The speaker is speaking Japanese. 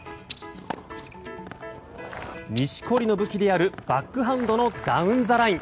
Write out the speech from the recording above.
錦織の武器であるバックハンドのダウンザライン。